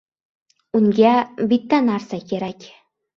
Unga bitta narsa kerak: